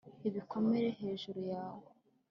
ibikomere hejuru yawe